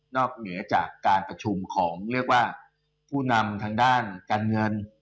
นอกเหนือจากการประชุมของผู้นำทางด้านการเงิน